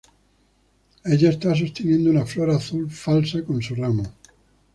Ella está sosteniendo una flor azul falsa con su ramo.